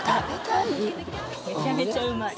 めちゃめちゃうまい。